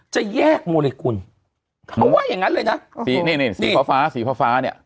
จะแยกโมลิคุณเขาว่าอย่างงั้นเลยนะสีนี่นี่สีฟ้าฟ้าสีฟ้าฟ้าเนี่ย